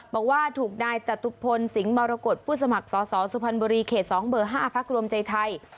บอกว่าถูกนายจตุพลสิงห์มรกฏผู้สมัครสอสอสุพรรณบุรีเขต๒เบอร์๕พักรวมใจไทย